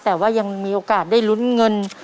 แต่ว่ายังมีโอกาสได้ลุ้นเงิน